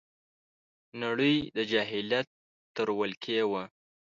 نړۍ د جاهلیت تر ولکې وه